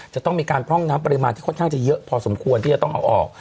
จะต้องมีการพร่องน้ำปริมาณที่ค่อนข้างจะเยอะพอสมควรที่จะต้องเอาออก